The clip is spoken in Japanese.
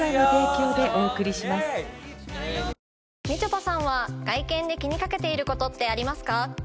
みちょぱさんは外見で気にかけていることってありますか？